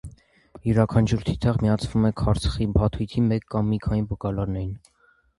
Ցուրաքանչյուր թիթեղ միացվում է խարսխի փաթույթի մեկ կամ մի քանի գալարներին։